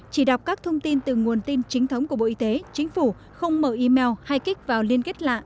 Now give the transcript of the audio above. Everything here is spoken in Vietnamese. chỉ đọc các thông tin từ nguồn tin chính thống của bộ y tế chính phủ không mở email hay kích vào liên kết lạ